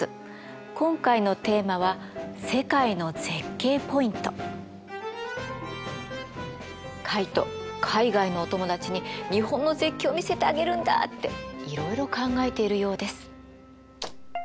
今回のテーマはカイト海外のお友達に日本の絶景を見せてあげるんだっていろいろ考えているようです。